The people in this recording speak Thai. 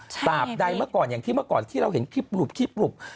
ตามใดเมื่อก่อนอย่างที่เมื่อก่อนที่เราเห็นคลิปหลุบหลุบ